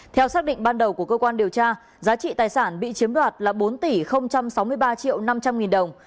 theo xác định ban đầu của cơ quan điều tra giá trị tài sản bị chiếm đoạt là bốn tỷ sáu mươi ba triệu năm trăm linh nghìn đồng